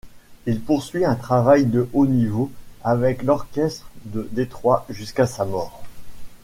Il poursuit un travail de haut niveau avec l'orchestre de Detroit jusqu'à sa mort.